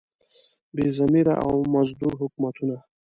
بې ضمیره او مزدور حکومتونه.